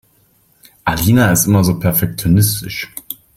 Alina ist immer so perfektionistisch.